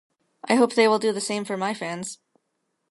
I hope they will do the same for my fans.